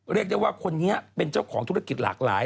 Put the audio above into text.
เรียกได้ว่าคนนี้เป็นเจ้าของธุรกิจหลากหลาย